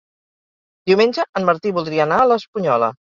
Diumenge en Martí voldria anar a l'Espunyola.